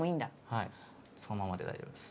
はいそのままで大丈夫です。